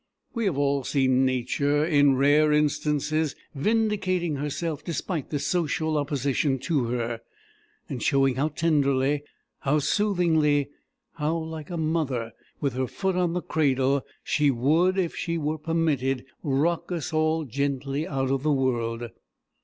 We have all seen Nature, in rare instances, vindicating herself despite the social opposition to her, and showing how tenderly, how soothingly, how like a mother with her foot on the cradle, she would, if she were permitted, rock us all gently out of the world.